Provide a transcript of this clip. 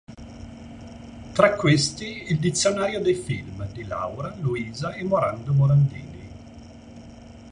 Tra questi il "Dizionario dei film" di Laura, Luisa e Morando Morandini.